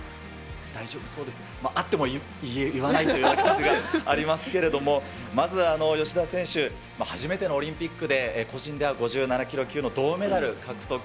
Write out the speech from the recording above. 大丈夫そうですかね、あっても言わないという感じがありますけれども、まずは芳田選手、初めてのオリンピックで、個人では５７キロ級の銅メダル獲得。